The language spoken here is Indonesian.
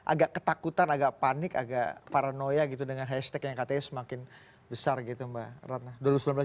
agak ketakutan agak panik agak paranoia gitu dengan hashtag yang katanya semakin besar gitu mbak ratna